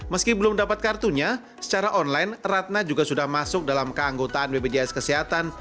meski belum dapat kartunya secara online ratna juga sudah masuk dalam keanggotaan bpjs kesehatan